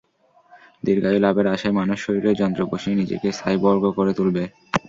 দীর্ঘায়ু লাভের আশায় মানুষ শরীরে যন্ত্র বসিয়ে নিজেকে সাইবর্গ করে তুলবে।